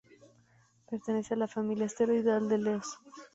Pertenece a la familia asteroidal de Eos.